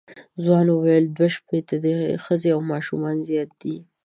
ځوان وویل دوه شپېته دي ښځې او ماشومان زیات دي.